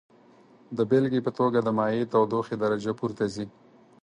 د بیلګې په توګه د مایع تودوخې درجه پورته ځي.